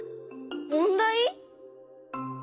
問題？